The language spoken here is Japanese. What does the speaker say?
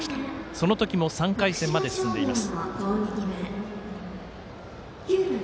その時も３回戦まで進んでいます。